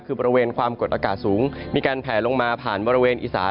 คือบริเวณความกดอากาศสูงมีการแผลลงมาผ่านบริเวณอีสาน